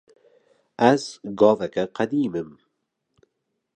Ez gavekê qedimîm.